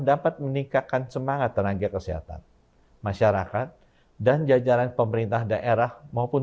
dapat meningkatkan semangat tenaga kesehatan masyarakat dan jajaran pemerintah daerah maupun